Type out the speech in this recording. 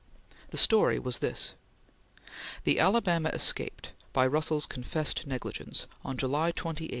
The story was this: The Alabama escaped, by Russell's confessed negligence, on July 28, 1862.